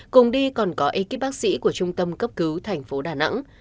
cùng đi còn có ekip bác sĩ của trung tâm cấp cứu tp đà nẵng